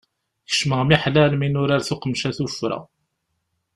Kecmeɣ miḥlal mi nurar tuqemca tuffra.